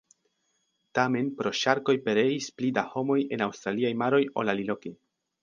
Tamen pro ŝarkoj pereis pli da homoj en aŭstraliaj maroj ol aliloke.